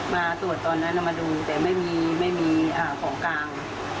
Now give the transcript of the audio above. มาตรวจตอนนั้นมาดูแต่ไม่มีของกลาง